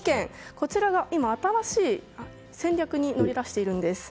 こちらが今、新しい戦略に乗り出しているんです。